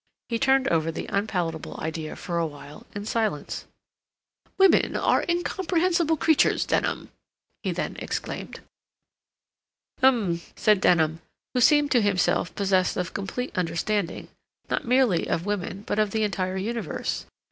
He turned over the unpalatable idea for a while, in silence. "Women are incomprehensible creatures, Denham!" he then exclaimed. "Um," said Denham, who seemed to himself possessed of complete understanding, not merely of women, but of the entire universe.